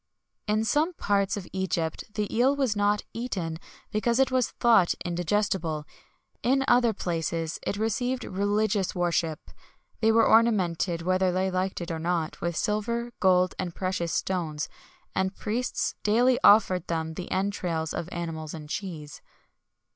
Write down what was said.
In some parts of Egypt the eel was not eaten, because it was thought indigestible.[XXI 120] In other places it received religious worship.[XXI 121] They were ornamented, whether they liked it or not, with silver, gold, and precious stones, and priests daily offered them the entrails of animals and cheese.